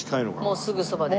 もうすぐそばです。